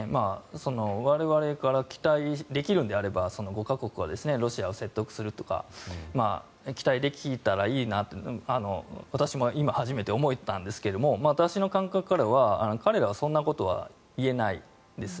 我々から期待できるのであればその５か国はロシアを説得するというか期待できたらいいなと私も今初めて思ったんですが私の感覚からは、彼らはそんなことは言えないです。